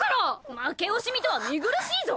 負け惜しみとは見苦しいぞ！